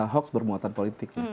hoax bermuatan politik